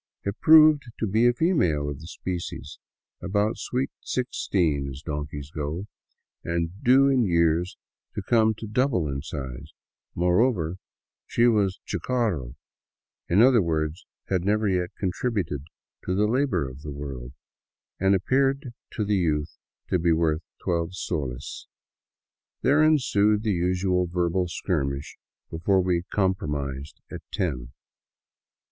It proved to be a female of the species, about sweet sixteen as donkeys go, and due in the years to come to double in size; moreover, she was chucaro, in other words had never yet contributed to the labor of the world, and appeared to the youth to be worth twelve soles. There ensued the usual verbal skirmish before we compromised at ten.